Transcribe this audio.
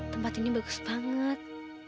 tempat ini bagus banget